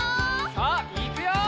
さあいくよ！